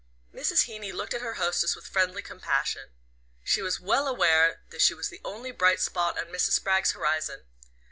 Mrs. Heeny looked at her hostess with friendly compassion. She was well aware that she was the only bright spot on Mrs. Spragg's horizon.